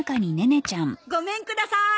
ごめんくださーい。